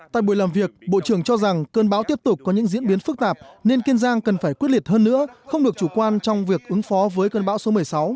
tại buổi làm việc bộ trưởng cho rằng cơn bão tiếp tục có những diễn biến phức tạp nên kiên giang cần phải quyết liệt hơn nữa không được chủ quan trong việc ứng phó với cơn bão số một mươi sáu